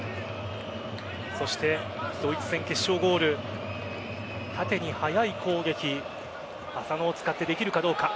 そしてドイツ戦決勝ゴール縦に速い攻撃浅野を使ってできるかどうか。